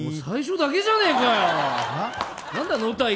最初だけじゃねえかよ！